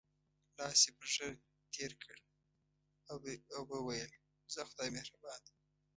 لاس یې په ږیره تېر کړ او وویل: ځه خدای مهربان دی.